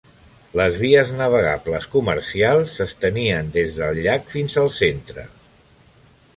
Les vies navegables comercials s'estenien des del llac fins al centre.